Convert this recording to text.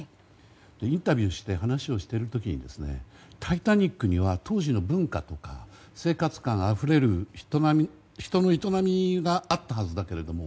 インタビューして話をしている時に「タイタニック」には当時の文化とか生活感あふれる人の営みがあったはずだけれども